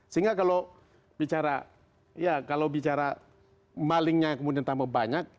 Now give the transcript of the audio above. sehingga kalau bicara ya kalau bicara malingnya kemudian tambah banyak